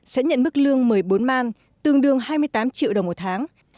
sẽ nhận mức lương một mươi bốn man tương đương hai mươi tám triệu đồng một tháng